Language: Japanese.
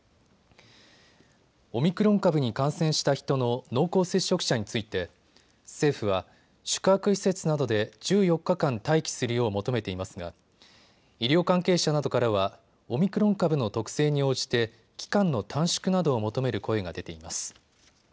オミクロン株に感染した人の濃厚接触者について政府は、宿泊施設などで１４日間待機するよう求めていますが医療関係者などからはオミクロン株の特性に応じて期間の短縮などを求める声が出ています。